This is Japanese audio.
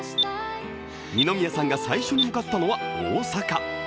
二宮さんが最初に向かったのは大阪。